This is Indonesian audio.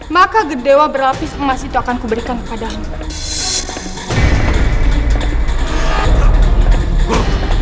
maka gedewa berlapis emas itu akan kuberikan kepadamu